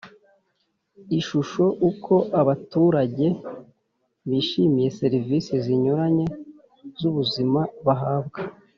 Ishusho Uko Abaturage Bishimiye Serivisi Zinyuranye Z Ubuzima Bahabwa